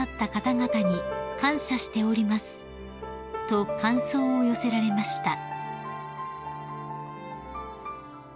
［と感想を寄せられました］